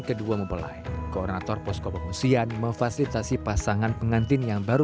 kedua mempelai koordinator posko pengungsian memfasilitasi pasangan pengantin yang baru